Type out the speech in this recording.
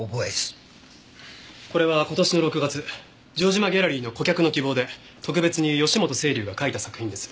これは今年の６月城島ギャラリーの顧客の希望で特別に義本青流が書いた作品です。